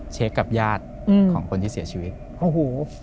เช็คกับญาติของคนที่เสียชีวิตโอ้โห